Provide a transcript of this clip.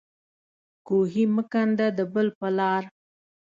کوهی مه کنده د بل په لار.